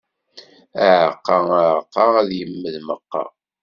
Aɛeqqa, aɛeqqa, ad yemmed meqqa.